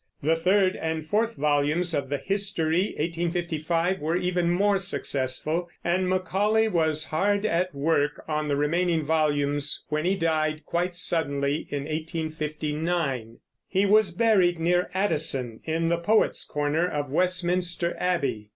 The third and fourth volumes of the History (1855) were even more successful, and Macaulay was hard at work on the remaining volumes when he died, quite suddenly, in 1859. He was buried, near Addison, in the Poets' Corner of Westminster Abbey.